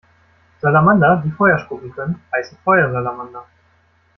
Salamander, die Feuer spucken können, heißen Feuersalamander.